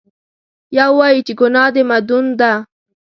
یو وایي چې ګناه د مدون ده.